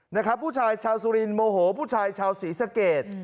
นะครับผู้ชายชาวสุรินโมโหผู้ชายชาวศรีสะเกด